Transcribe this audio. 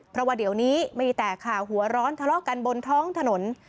เพราะว่าเดี๋ยวนี้มีแต่ข่าวหัวร้อนทะเลาะกันบนท้องถนน